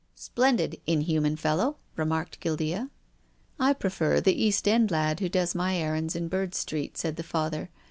" Splendid, inhuman fellow," remarked Guildea. " I prefer the East End lad who does my errands in Bird Street," said the Father.